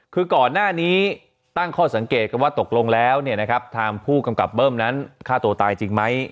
คือก่อนหน้านี้ตั้งข้อสังเกตกันว่าตกลงแล้วทางผู้กำกับเบิ้มนั้นฆ่าตัวตายจริงไหม